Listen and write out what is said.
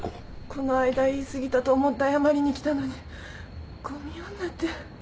この間言いすぎたと思って謝りに来たのにゴミ女って。